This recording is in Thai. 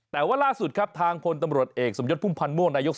แต่ว่าล่าสุดครับทางพลตำรวจเอกสมยศพุ่มพันธ์ม่วงนายก